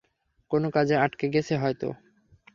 কোনও কাজে আটকে গেছে হয়তো।